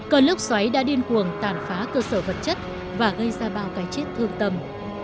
cơn lốc xoáy đã điên cuồng tàn phá cơ sở vật chất và gây ra bao cái chết thương tâm